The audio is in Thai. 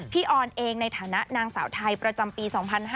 ออนเองในฐานะนางสาวไทยประจำปี๒๕๕๙